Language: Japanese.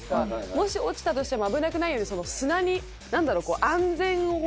もし落ちたとしても危なくないように砂に。